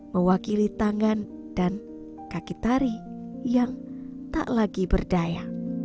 mewakili tangan dan kaki tari yang tak lagi berdaya